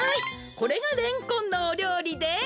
これがレンコンのおりょうりです！